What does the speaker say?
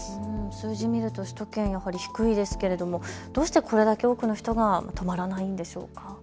数字見ると首都圏、やっぱり低いですけれどどうしてこれだけ多くの人が止まらないんでしょうか。